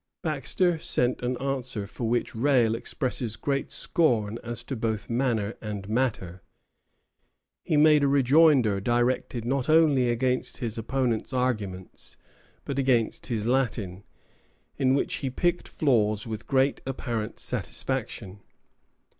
Baxter sent an answer for which Rale expresses great scorn as to both manner and matter. He made a rejoinder, directed not only against his opponent's arguments, but against his Latin, in which he picked flaws with great apparent satisfaction.